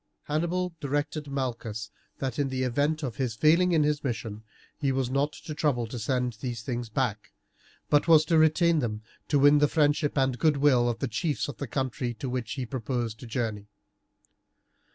Hannibal directed Malchus that, in the event of his failing in his mission, he was not to trouble to send these things back, but was to retain them to win the friendship and goodwill of the chiefs of the country to which he proposed to journey.